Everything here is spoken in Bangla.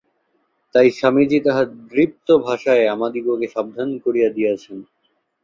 তাই স্বামীজী তাঁহার দৃপ্ত ভাষায় আমাদিগকে সাবধান করিয়া দিয়াছেন।